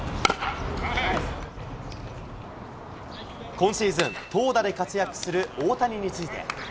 今シーズン、投打で活躍する大谷について。